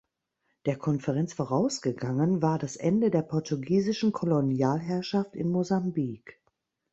Der Konferenz vorausgegangen war das Ende der portugiesischen Kolonialherrschaft in Mosambik.